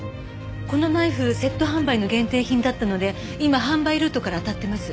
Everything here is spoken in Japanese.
このナイフセット販売の限定品だったので今販売ルートからあたってます。